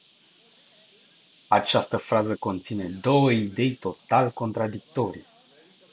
Această frază conține două idei total contradictorii.